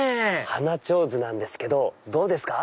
花手水なんですけどどうですか？